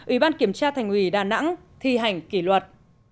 ủy ban kiểm tra thành ủy đà nẵng thi hành kỷ luật